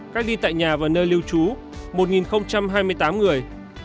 cách ly tại nhà và nơi lưu trú một hai mươi tám người